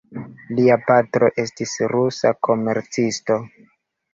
Lia patro estis rusa komercisto.